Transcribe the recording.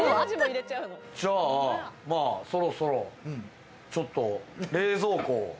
じゃあそろそろちょっと冷蔵庫を。